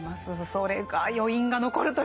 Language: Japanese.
それが余韻が残るというか。